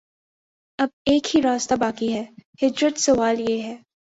اب ایک ہی راستہ باقی ہے: ہجرت سوال یہ ہے